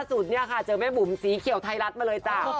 ล่วงล่าสุดเจอแม่บุ๋มสีเขียวไทรัทมาเลยจ้ะ